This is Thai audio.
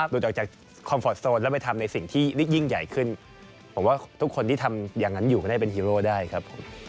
ออกจากคอมฟอร์ตโซนแล้วไปทำในสิ่งที่ยิ่งใหญ่ขึ้นผมว่าทุกคนที่ทำอย่างนั้นอยู่ก็ได้เป็นฮีโร่ได้ครับผม